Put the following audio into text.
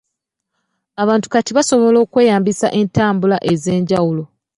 Abantu kati basobola okweyambisa entambula ez'enjawulo.